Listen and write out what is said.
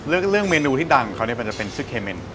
ซึ่งเรื่องเมนูที่ดังเขาเนี่ยมันจะเป็นซึเกเมน